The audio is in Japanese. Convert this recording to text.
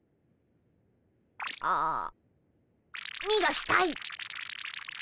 ああみがきたい。